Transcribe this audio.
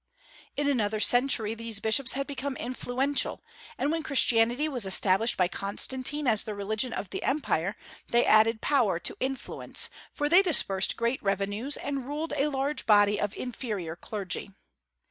In another century these bishops had become influential; and when Christianity was established by Constantine as the religion of the Empire, they added power to influence, for they disbursed great revenues and ruled a large body of inferior clergy.